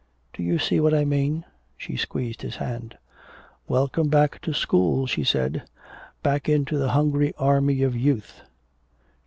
Do you see what I mean?" she squeezed his hand. "Welcome back to school," she said, "back into the hungry army of youth!...